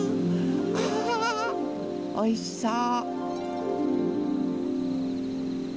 あおいしそう！